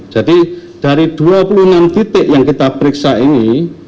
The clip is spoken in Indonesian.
jadi dari dua puluh enam titik yang kita periksa ini